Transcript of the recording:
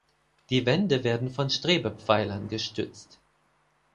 Die Wände werden von Strebepfeilern gestützt.